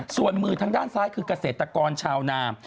ส่วนมือทางด้านซ้ายคือเกษตรกรชาวนาม